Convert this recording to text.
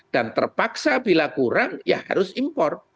dan terpaksa bila kurang ya harus impor